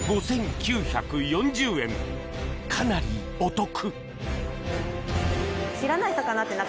５９４０円、かなりお得。